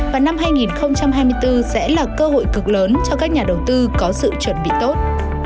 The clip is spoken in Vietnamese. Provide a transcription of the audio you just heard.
và năm hai nghìn hai mươi bốn sẽ là cơ hội cực lớn cho các nhà đầu tư có sự chuẩn bị tốt